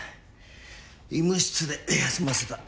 医務室で休ませた。